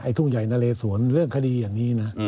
ทุ่งใหญ่นะเลสวนเรื่องคดีอย่างนี้นะ